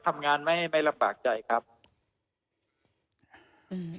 ทำงานไม่ระบากใจครับ